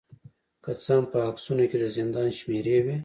که څه هم په عکسونو کې د زندان شمیرې وې